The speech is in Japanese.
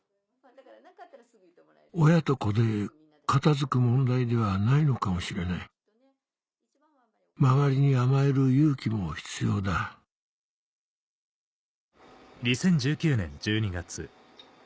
親と子で片付く問題ではないのかもしれない周りに甘える勇気も必要だあっ来たかな？